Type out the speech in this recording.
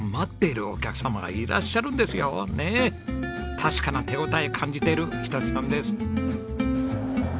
確かな手応えを感じている仁さんです。